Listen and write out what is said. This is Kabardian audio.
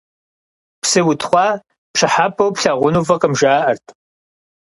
Псы утхъуа пщӀыхьэпӀэу плъагъуну фӀыкъым, жаӀэрт.